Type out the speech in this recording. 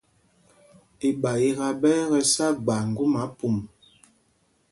Iɓayiká ɓɛ́ ɛ́ tɔ sá gba ŋgumá pum.